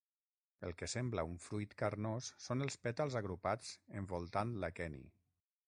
El que sembla un fruit carnós són els pètals agrupats envoltant l'aqueni.